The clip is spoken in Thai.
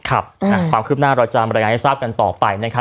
ความคืบหน้าเราจะบรรยายงานให้ทราบกันต่อไปนะครับ